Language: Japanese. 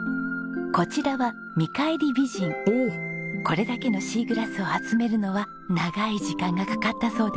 これだけのシーグラスを集めるのは長い時間がかかったそうです。